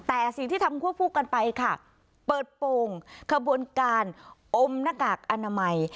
แต่สิ่งที่ทำควบคู่กันไปค่ะเปิดโปรงขบวนการอมหน้ากากอนามัย